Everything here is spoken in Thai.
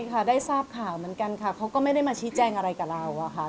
ค่ะได้ทราบข่าวเหมือนกันค่ะเขาก็ไม่ได้มาชี้แจงอะไรกับเราอะค่ะ